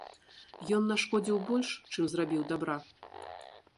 Ён нашкодзіў больш, чым зрабіў дабра.